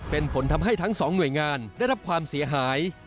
เป็นผลทำให้ทั้งสองหน่วยงานได้รับความเสียหาย